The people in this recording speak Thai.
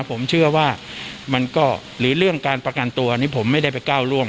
ผมเชื่อว่ามันก็หรือเรื่องการประกันตัวนี้ผมไม่ได้ไปก้าวร่วง